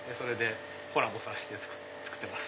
コラボさせて作ってます。